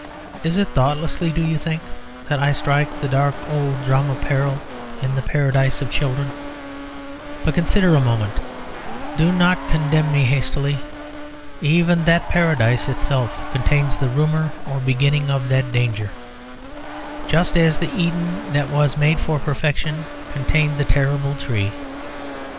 Is it thoughtlessly, do you think, that I strike the dark old drum of peril in the paradise of children? But consider a moment; do not condemn me hastily. Even that paradise itself contains the rumour or beginning of that danger, just as the Eden that was made for perfection contained the terrible tree.